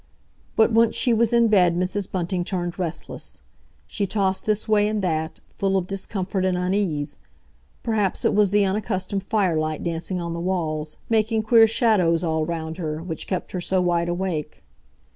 But once she was in bed Mrs. Bunting turned restless. She tossed this way and that, full of discomfort and unease. Perhaps it was the unaccustomed firelight dancing on the walls, making queer shadows all round her, which kept her so wide awake.